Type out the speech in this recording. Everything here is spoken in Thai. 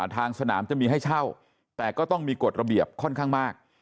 ทางสนามจะมีให้เช่าแต่ก็ต้องมีกฎระเบียบค่อนข้างมาก